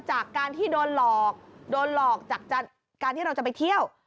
จากการที่โดนหลอกโดนหลอกจากการที่เราจะไปเที่ยว